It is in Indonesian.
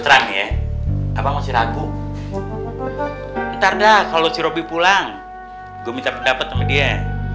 pulang ya apa ngasih ragu entar dah kalau si robby pulang gua minta pendapat sama dia